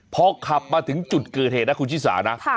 พอขับมาถึงจุดเกิดเหตุนะคุณชิสานะ